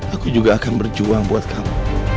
aku juga akan berjuang buat kamu